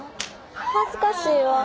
恥ずかしいわ。